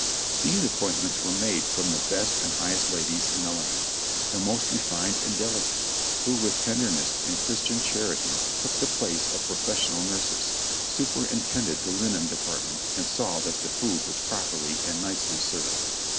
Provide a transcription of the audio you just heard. These appointments were made from the best and highest ladies in the land, the most refined and delicate, who with tenderness and Christian charity took the place of professional nurses, super intended the linen department and saw that the food was properly and nicely served.